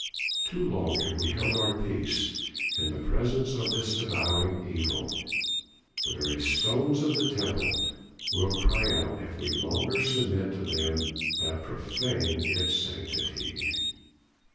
Too long have we held our peace in the presence of this devouring evil; the very stones of the Temple will cry out if we longer submit to them that profane its sanctity."